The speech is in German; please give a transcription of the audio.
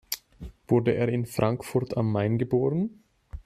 Wurde er in Frankfurt am Main geboren?